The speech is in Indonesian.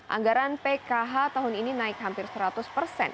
anggaran pkh tahun ini naik hampir seratus persen